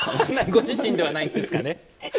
ご自身ではないんですね。